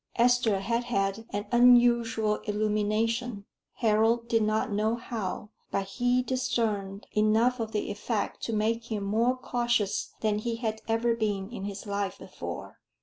Esther had had an unusual illumination; Harold did not know how, but he discerned enough of the effect to make him more cautious than he had ever been in his life before.